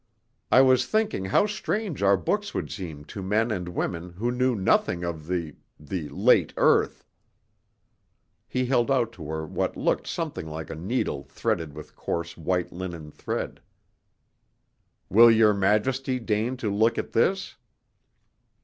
I was thinking how strange our books would seem to men and women who knew nothing of the the late earth." He held out to her what looked something like a needle threaded with coarse white linen thread. "Will your Majesty deign to look at this?"